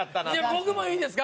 僕もいいですか？